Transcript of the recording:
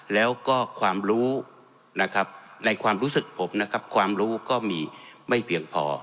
แล้วก็ความรู้นะครับในความรู้สึกผมนะครับความรู้ก็มีไม่เพียงพอ